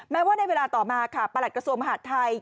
แม้ว่าในเวลาต่อมาค่ะประหลัดกระทรวงมหาดไทย